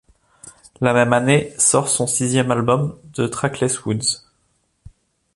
La même année sort son sixième album, The Trackless Woods.